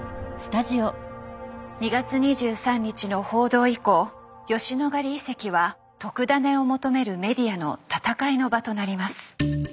２月２３日の報道以降吉野ヶ里遺跡は特ダネを求めるメディアの戦いの場となります。